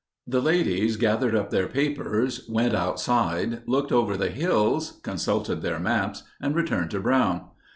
The ladies gathered up their papers, went outside, looked over the hills, consulted their maps, and returned to Brown.